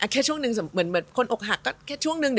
แค่ช่วงนึงแบบคนอกหักก็แค่ช่วงหนึ่ง